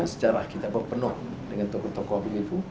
sejarah kita berpenuh dengan tokoh tokoh begitu